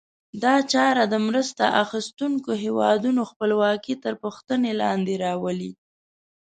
دا چاره د مرسته اخیستونکو هېوادونو خپلواکي تر پوښتنې لاندې راولي.